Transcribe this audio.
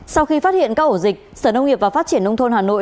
sau khi phát hiện các ổ dịch sở nông nghiệp và phát triển nông thôn hà nội